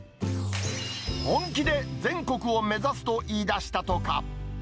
本気で全国を目指すと言いだしたとか。